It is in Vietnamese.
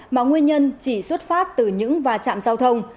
mà nguyên nhân chỉ xuất phát từ những va chạm giao thông